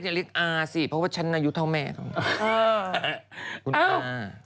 ไม่ต้องเรียกอ่าสิเพราะว่าฉันอายุเท่าแม่ของคุณค่ะ